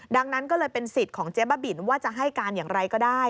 ดังนั้นก็เลยเป็นสิทธิ์ของเจ๊บ้าบินว่าจะให้การอย่างไรก็ได้